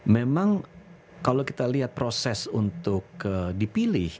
memang kalau kita lihat proses untuk dipilih